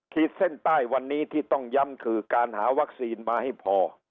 ขีดเส้นใต้วันนี้ที่ต้องย้ำคือการหาวัคซีนมาให้พอ